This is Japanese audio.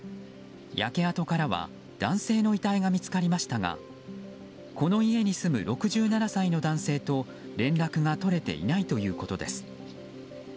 焼け跡からは男性の遺体が見つかりましたがこの家に住む６７歳の男性と連絡が取れていないということです。